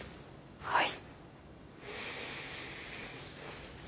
はい。